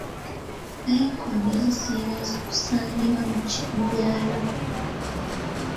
Nayikondo zisinga kusangibwa mu byalo.